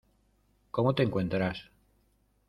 ¿Cómo te encuentras?